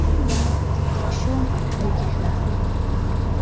Дыԥхашьом, дагьахьырхәым.